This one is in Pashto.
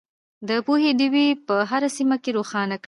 د پوهې ډیوې په هره سیمه کې روښانه کړئ.